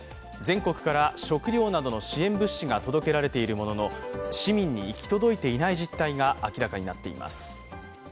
全国から食料などの支援物資が届けられているものの、市民に行き届いていない実態が明らかになっています。